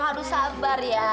harus sabar ya